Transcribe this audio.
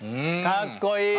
かっこいい！